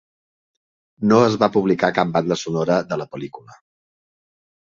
No es va publicar cap banda sonora de la pel·lícula.